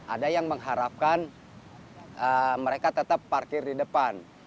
ada yang mengharapkan mereka tetap parkir di depan